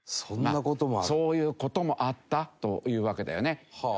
そういう事もあったというわけだよね。